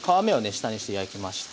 下にして焼きました。